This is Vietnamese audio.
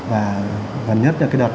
và gần nhất là cái đợt